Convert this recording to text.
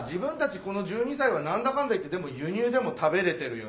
この１２さいは何だかんだ言って輸入でも食べれてるよね。